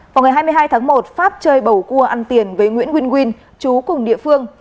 vào ngày hai mươi hai tháng một pháp chơi bầu cua ăn tiền với nguyễn nguyên chú cùng địa phương